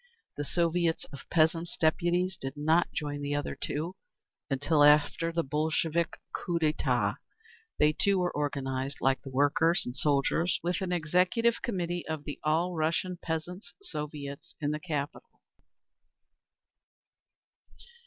The Soviets of Peasants' Deputies did not join the other two until after the Bolshevik coup d'etat. They, too, were organised like the workers and soldiers, with an Executive Committee of the All Russian Peasants' Soviets in the capital.